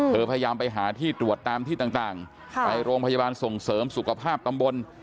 พยายามไปหาที่ตรวจตามที่ต่างไปโรงพยาบาลส่งเสริมสุขภาพตำบล